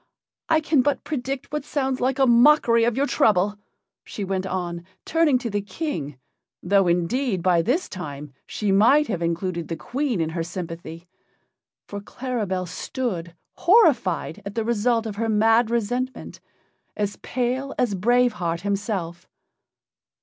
I can but predict what sounds like a mockery of your trouble," she went on, turning to the King, though indeed by this time she might have included the Queen in her sympathy, for Claribel stood, horrified at the result of her mad resentment, as pale as Brave Heart himself.